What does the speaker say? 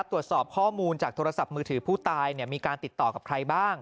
ตรวจสอบข้อมูลจากโทรศัพท์มือถือผู้ตายมีการติดต่อกับใครบ้าง